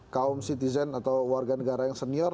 kaum citizen atau warga negara yang senior